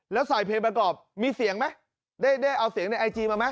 แล้วใส่เพลงประกอบมีเสียงไหมได้เอาเสียงในไอจีมาไหม